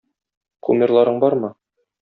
Кумирларың бармы?